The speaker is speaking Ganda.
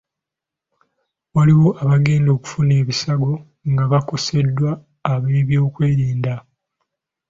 Waliwo abagenda okufuna ebisago nga bakoseddwa ab'ebyokwerinda.